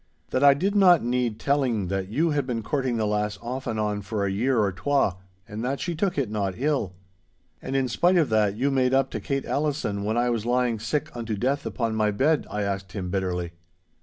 'That I did not need telling that you had been courting the lass off and on for a year or twa, and that she took it not ill.' 'And, in spite of that, you made up to Kate Allison when I was lying sick unto death upon my bed?' I asked him bitterly.